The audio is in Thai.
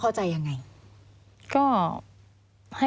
มันจอดอย่างง่ายอย่างง่าย